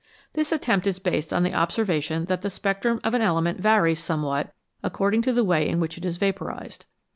This attempt is based on the observation that the spectrum of an element varies somewhat according to the way in which it is vaporised.